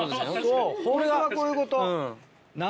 そうホントはこういうこと。